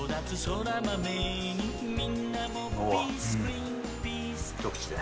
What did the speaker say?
おお一口で。